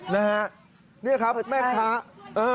นี่ครับแม่ค้า